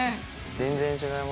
全然違いますね。